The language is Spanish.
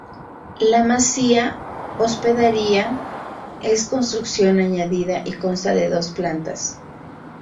La masía-hospedería es construcción añadida y consta de dos plantas.